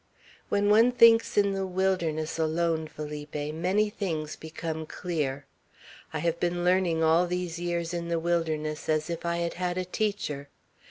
When one thinks in the wilderness, alone, Felipe, many things become clear. I have been learning, all these years in the wilderness, as if I had had a teacher.